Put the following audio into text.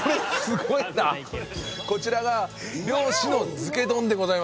こちらが漁師の漬け丼でございます。